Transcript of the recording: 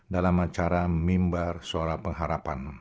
dalam acara mimbar suara pengharapan